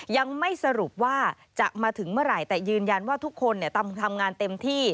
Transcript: ยังไม่สรุปว่าจะมาถึงเมื่อไหร่แต่ยืนยันว่าทุกคนทำงานเต็มที่